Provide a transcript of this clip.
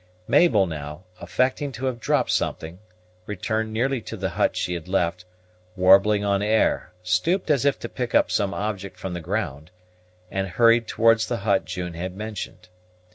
Mabel now, affecting to have dropped something, returned nearly to the hut she had left, warbling an air, stooped as if to pick up some object from the ground, and hurried towards the hut June had mentioned.